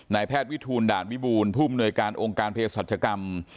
แพทย์วิทูลด่านวิบูรณ์ผู้มนวยการองค์การเพศสัจกรรม